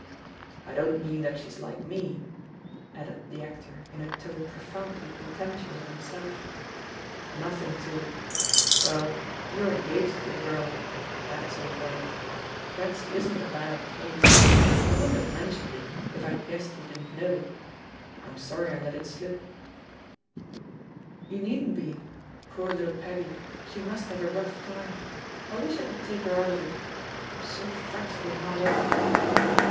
"I don't mean that she's like me/^ added the actor in a tone profoundly contemptuous of him self ; "nothing to— Well, you're engaged to the girl! That's all right. Betsy isn't a "bad VCHE POSITION OP PEGGY HARPER 11» Use/ I wouldn't have mentioned it if I'd guessed you didn't know. I'm sorry I let it Blip." You needn't be. Poor little Peggy I She must have a rough time. I wish I could take her out of it. I'm so frightfully hard up."